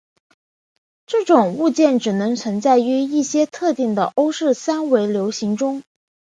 这种物件只能存在于一些特定的欧氏三维流形中。